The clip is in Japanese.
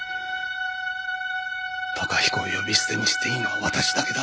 崇彦を呼び捨てにしていいのは私だけだ。